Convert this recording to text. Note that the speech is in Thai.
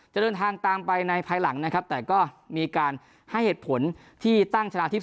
จะเดินทางตามไปในภายหลังนะครับแต่ก็มีการให้เหตุผลที่ตั้งชนะทิพย